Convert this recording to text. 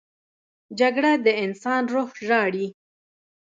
جګړه د انسان روح ژاړي